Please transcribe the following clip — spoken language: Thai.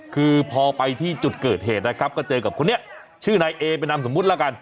คือพอไปที่จุดเกิดเหตุนะครับก็เจอกับคนนี้ชื่อนายเอเป็นนามสมมุติแล้วกัน